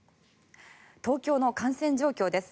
東京の感染状況です。